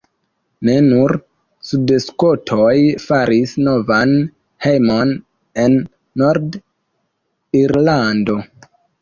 Ne nur sudskotoj faris novan hejmon en Nord-Irlando.